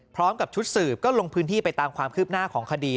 พร้อมกับชุดสืบก็ลงพื้นที่ไปตามความคืบหน้าของคดี